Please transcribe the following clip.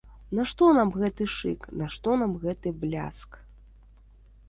Нашто нам гэты шык, нашто нам гэты бляск.